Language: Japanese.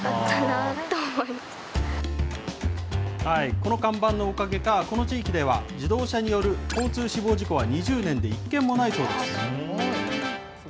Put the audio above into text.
この看板のおかげか、この地域では自動車による交通死亡事故は２０年で１件もないそうです。